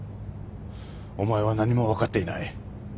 お前は何も分かっていない。